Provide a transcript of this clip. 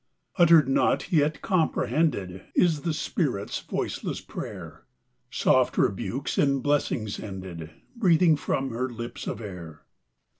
Uttered not, yet comprehended, Is the spirit's voiceless prayer, Soft rebukes, in blessings ended, Breathing from her lips of air.